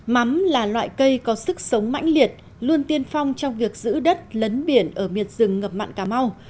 mắm là loại cây có sức sống mãnh liệt luôn tiên phong trong việc giữ đất lấn biển ở miệt rừng ngập mặn cà mau